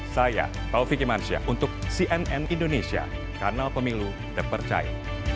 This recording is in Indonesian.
saya taufik imansyah untuk cnn indonesia kanal pemilu terpercaya